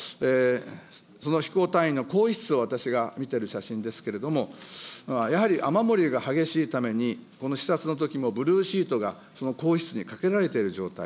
その飛行隊員の更衣室を見てる写真ですけれども、やはり雨漏りが激しいために、この視察のときもブルーシートがその更衣室にかけられている状態。